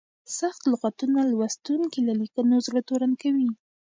سخت لغتونه لوستونکي له لیکنو زړه تورن کوي.